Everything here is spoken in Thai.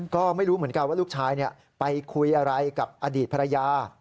ก็ไม่รู้เหมือนกันว่าลูกชายไปคุยอะไรกับอดีตภรรยา